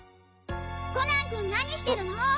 コナン君何してるの？